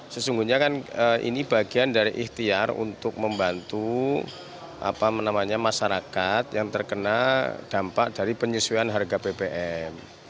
sesungguhnya kan ini bagian dari ikhtiar untuk membantu masyarakat yang terkena dampak dari penyesuaian harga bbm